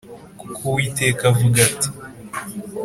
, kuko Uwiteka avuga ati